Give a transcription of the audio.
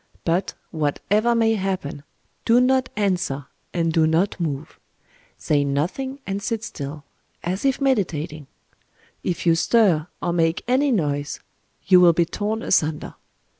But, whatever may happen, do not answer, and do not move. Say nothing and sit still—as if meditating. If you stir, or make any noise, you will be torn asunder.